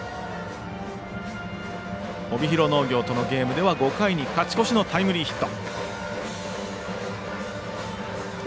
帯広農業とのゲームでは５回に勝ち越しのタイムリーヒット。